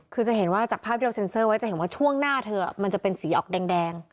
คือจะเห็นว่าจากภาพที่เราเซ็นเซอร์ไว้จะเห็นว่าช่วงหน้าเธอมันจะเป็นสีออกแดง